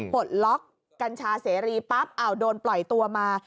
ปลดล็อกกัญชาเสรีปั๊บโดนปล่อยตัวมา